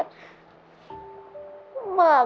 ขอบคุณครับ